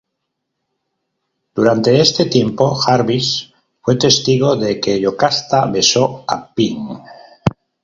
Durante este tiempo, Jarvis fue testigo de que Yocasta besó a Pym.